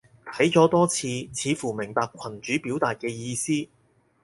睇咗多次，似乎明白群主表達嘅意思